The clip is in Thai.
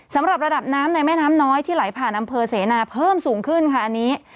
สำหรับระดับน้ำในแม่น้ำน้อยที่ไหลผ่านอำเภอเสนาเพิ่มสูงขึ้นค่ะอันนี้